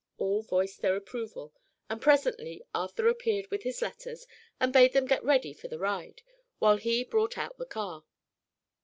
All voiced their approval and presently Arthur appeared with his letters and bade them get ready for the ride, while he brought out the car.